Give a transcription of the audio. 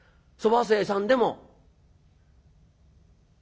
そば清さんでも」。